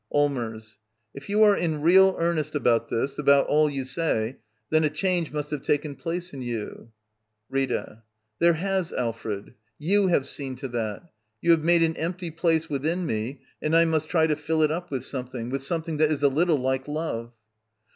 Allmers.. If you are in real earnest about this — about all you say — then a change must have taken place in you. Rita. There has, Alfred. You have seen to that. You have made an empty place within me, and I must try to fill it up with something — with some thing that is a little like love.